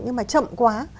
nhưng mà chậm quá